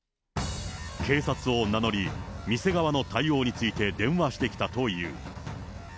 警察を名乗り、店側の対応について電話してきたという。